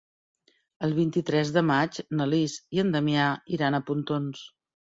El vint-i-tres de maig na Lis i en Damià iran a Pontons.